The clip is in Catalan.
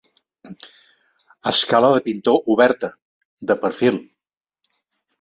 Escala de pintor oberta, de perfil.